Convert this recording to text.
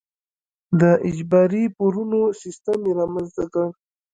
د اجباري پورونو سیستم یې رامنځته کړ.